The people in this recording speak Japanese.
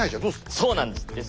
そうなんです。